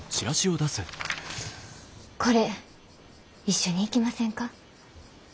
これ一緒に行きませんか？